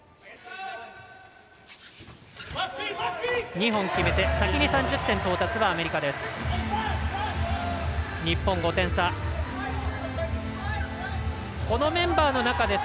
２本決めて先に３０点到達はアメリカです。